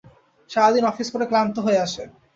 সারাদিন অফিস করে ক্লান্ত হয়ে আসে।